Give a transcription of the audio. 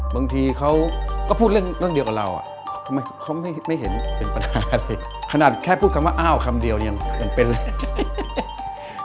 บางทีเขาก็พูดเรื่องเดียวกับเราอ่ะเขาไม่เห็นเป็นปัญหาอะไรขนาดแค่พูดคำว่าอ้าวคำเดียวยังเป็นเลย